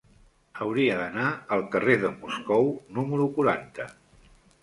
Hauria d'anar al carrer de Moscou número quaranta.